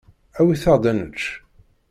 Awit-aɣ-d ad nečč.